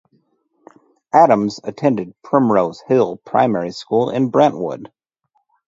Adams attended Primrose Hill Primary School in Brentwood.